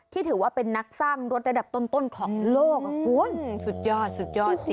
ถือว่าเป็นนักสร้างรถระดับต้นของโลกอ่ะคุณสุดยอดสุดยอดสิ